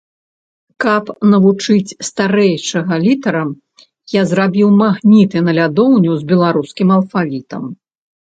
Каб навучыць старэйшага літарам, я зрабіў магніты на лядоўню з беларускім алфавітам.